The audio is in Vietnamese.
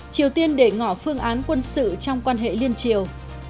triều tiên để ngỏ phương án quân sự trong quan hệ liên triều